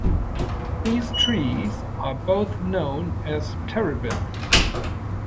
These trees are both known as terebinth.